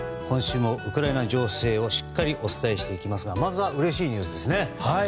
今週もウクライナ情勢をしっかりお伝えしていきますがまずはうれしいニュースですね。